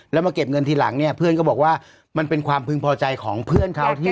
แล้วมาเก็บเงินทีหลังเนี่ยเพื่อนก็บอกว่ามันเป็นความพึงพอใจของเพื่อนเขาที่